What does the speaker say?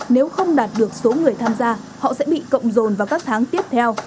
nếu không đạt được số người tham gia họ sẽ bị cộng dồn vào các tháng tiếp theo